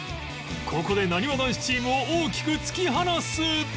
ここでなにわ男子チームを大きく突き放す